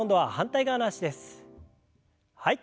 はい。